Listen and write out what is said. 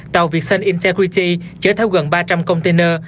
tàu vietsun insecurity chở theo gần ba trăm linh container